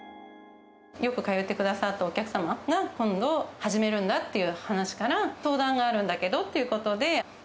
よく通ってくださったお客様が、今度、始めるんだっていう話から、相談があるんだけどっていうことで。